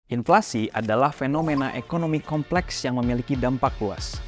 inflasi adalah fenomena ekonomi kompleks yang memiliki dampak luas